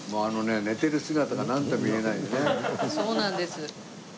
そうなんです。